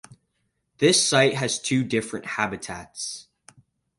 This site has two different habitats.